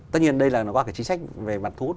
tất nhiên đây là nó có cái chính sách về mặt thu hút